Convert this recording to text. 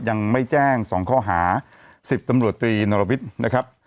ยังไม่แจ้ง๒ข้อหา๑๐ตำรวจตรีนรวิทย์นะครับ